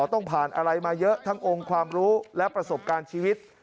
ต้องผ่านอะไรมาเยอะทั้งองค์ความรู้และประสบการณ์ชีวิต